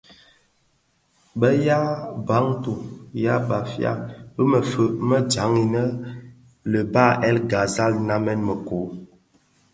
Bë yaa Bantu (ya Bafia) bi mëfye më dyaň innë le bahr El Ghazal nnamonèn mëkoo.